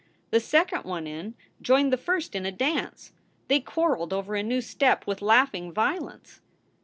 The second one in joined the first in a dance. They quarreled over a new step with laughing violence.